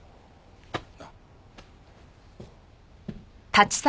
なっ。